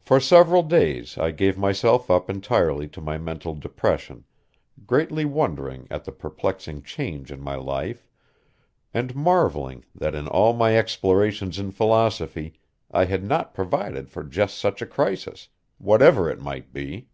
For several days I gave myself up entirely to my mental depression, greatly wondering at the perplexing change in my life, and marvelling that in all my explorations in philosophy I had not provided for just such a crisis, whatever it might be.